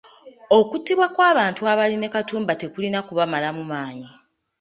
Okuttibwa kw’abantu abaali ne Katumba tekulina kubamalamu maanyi.